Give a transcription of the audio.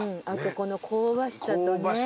あとこの香ばしさとね。